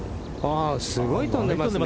すごい飛んでますね。